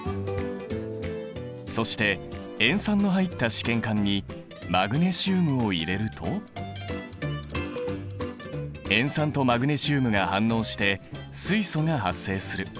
そして塩酸の入った試験管にマグネシウムを入れると塩酸とマグネシウムが反応して水素が発生する。